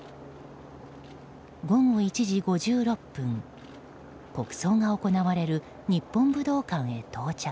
午後１時５６分国葬が行われる日本武道館へ到着。